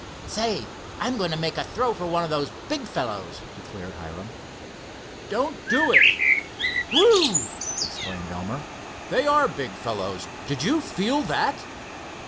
"Say, I'm going to make a throw for one of those big fellows," declared Hiram. "Don't do it. Whew!" exclaimed Elmer. "They are big fellows. Did you feel that?"